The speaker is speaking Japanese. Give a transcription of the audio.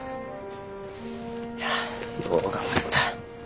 いやよう頑張った。